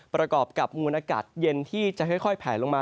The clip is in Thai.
ประกอบกับมวลอากาศเย็นที่จะค่อยแผลลงมา